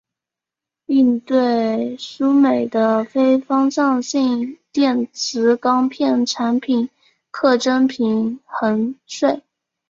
另对输美的非方向性电磁钢片产品课征平衡税。